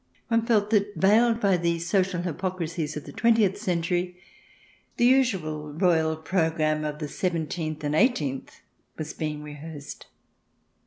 One felt that, veiled by the social hypocrisies of the twentieth century, the usual royal programme of the seven teenth and eighteenth was being rehearsed.